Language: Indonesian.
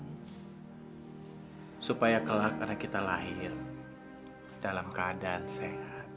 hai supaya kelakaran kita lahir dalam keadaan sehat